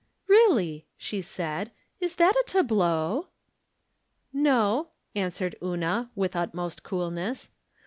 " Really," she said, " is that a tableau? " "No," answered Una, with utmost coolness.